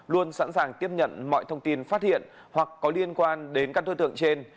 luôn sẵn sàng tiếp nhận mọi thông tin phát hiện hoặc có liên quan đến các đối tượng trên